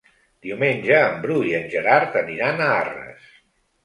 Diumenge en Bru i en Gerard aniran a Arres.